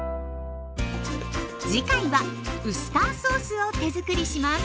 次回はウスターソースを手づくりします。